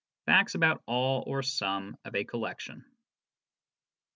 facts about all or some of a collection.